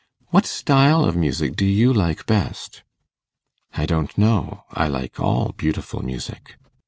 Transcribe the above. What style of music do you like best?' 'I don't know. I like all beautiful music.